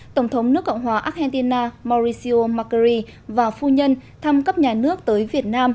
tổng thống nước cộng hòa argentina mauricio macri và phu nhân thăm cấp nhà nước tới việt nam